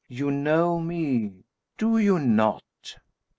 You know me, do you not?"